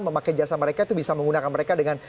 memakai jasa mereka itu bisa menggunakan mereka dengan